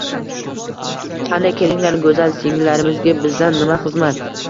Qani kelinglar, go`zal singillarimizga bizdan nima xizmat